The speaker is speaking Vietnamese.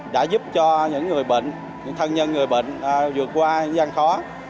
đã giúp cho những người bệnh những thân nhân người bệnh vượt qua gian khó